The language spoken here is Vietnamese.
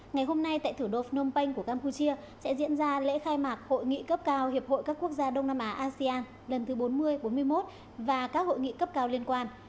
ngày hôm nay tại thủ đô phnom penh của campuchia sẽ diễn ra lễ khai mạc hội nghị cấp cao hiệp hội các quốc gia đông nam á asean lần thứ bốn mươi bốn mươi một và các hội nghị cấp cao liên quan